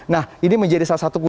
nah ini menjadi salah satu kunci